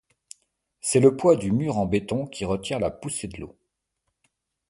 C'est le poids du mur en béton qui retient la poussée de l'eau.